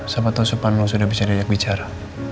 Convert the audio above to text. siapa tau supaya lo sudah bisa didek bicara